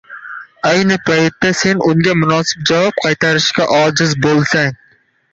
ayni paytda sen unga munosib javob qaytarishga ojiz bo‘lsang